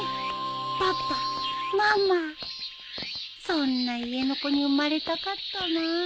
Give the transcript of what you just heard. そんな家の子に生まれたかったな。